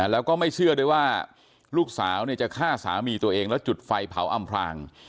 แล้วก็ไม่เชื่อด้วยว่าลูกสาวจะฆ่าสามีตัวเองแล้วจุดไฟเผาอำพลาง